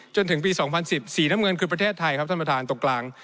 จนถึงปี๒๐๑๐สีน้ำเงินคือประเทศไทยครับท่านประธานตรงกลาง